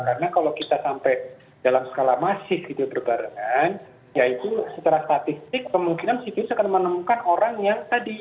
karena kalau kita sampai dalam skala massif berbarengan yaitu secara statistik kemungkinan situ akan menemukan orang yang tadi